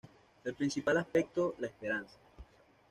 El principal aspecto, la esperanza.